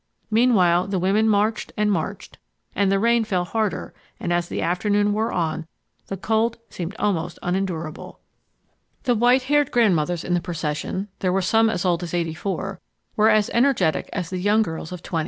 Meanwhile the women marched and marched, and the rain fell harder and as the afternoon wore on the cold seemed almost unendurable. The white haired grandmothers in the procession—there were some as old as 84—were as energetic as the young girls of 20.